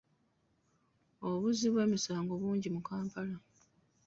Obuzzi bw'emisango bungi mu Kampala.